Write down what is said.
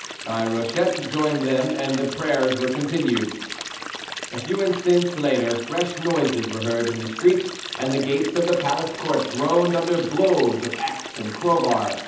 Guy Rochette joined them, and the prayers were continued. A few instants later fresh noises were heard in the street, and the gates of the palace court groaned under blows of axe and crowbar.